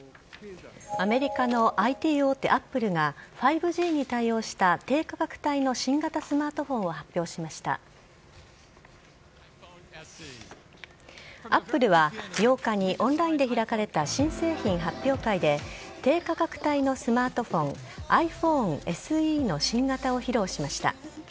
アメリカのＩＴ大手、アップルが、５Ｇに対応した低価格帯の新型スマートフォンを発表しましたアップルは８日にオンラインで開かれた新製品発表会で、低価格帯のスマートフォン、ｉＰｈｏｎｅＳＥの新型を披露しました。